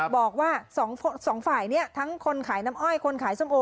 บอกว่าสองฝ่ายนี้ทั้งคนขายน้ำอ้อยคนขายส้มโอ